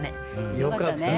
よかったね。